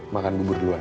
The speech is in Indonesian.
makan bubur duluan ya